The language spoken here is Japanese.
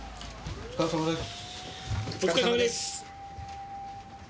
お疲れさまです。